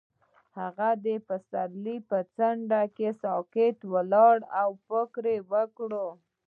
هغه د پسرلی پر څنډه ساکت ولاړ او فکر وکړ.